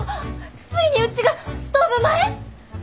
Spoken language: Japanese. ついにうちがストーブ前？